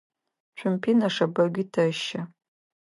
Цумпи нэшэбэгуи тэщэ.